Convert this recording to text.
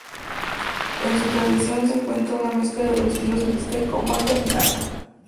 En su tradición se encuentra una mezcla de los estilos mixteco, maya y nahua.